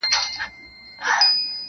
• بېګناه یم نه په ژوند مي څوک وژلی -